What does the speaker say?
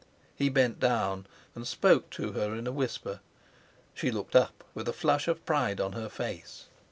He bent down and spoke to her in a whisper; she looked up with a flush of pride on her face.